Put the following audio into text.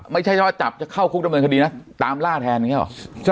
ไม่ใช่ว่าจับจะเข้าคุกดำเนินคดีนะตามล่าแทนอย่างนี้หรอ